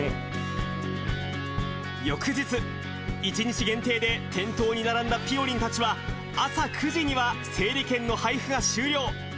翌日、１日限定で店頭に並んだぴよりんたちは、朝９時には整理券の配布が終了。